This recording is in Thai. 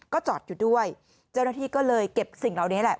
ก็จอดอยู่ด้วยเจ้าหน้าที่ก็เลยเก็บสิ่งเหล่านี้แหละ